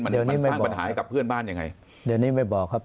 มันสร้างปัญหาให้กับเพื่อนบ้านยังไงเดี๋ยวนี้ไม่บอกครับ